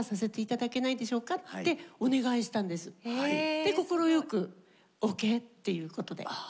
で快くＯＫっていうことで。